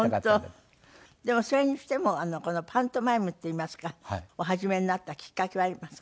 でもそれにしてもこのパントマイムっていいますかお始めになったきっかけはありますか？